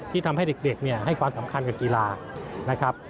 ที่ทำให้เด็กให้ความสำคัญกับกีฬานะครับ